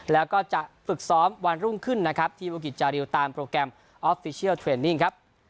แล้วก็จะฝึกซ้อมวันรุ่งขึ้นนะครับที่บุกิจจาริวตามโปรแกรมออฟฟิเชียลเทรนนิ่งครับ